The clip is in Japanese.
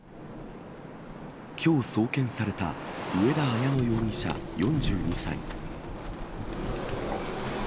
きょう送検された上田綾乃容疑者４２歳。